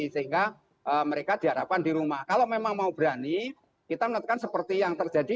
sehingga mereka diharapkan di rumah kalau memang mau berani kita menetapkan seperti yang terjadi